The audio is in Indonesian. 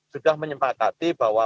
sudah menyempakati bahwa